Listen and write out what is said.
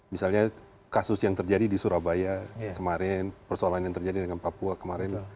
misalnya kasus yang terjadi di surabaya kemarin persoalan yang terjadi dengan papua kemarin